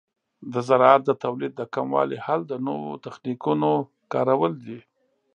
د زراعت د تولید د کموالي حل د نوو تخنیکونو کارول دي.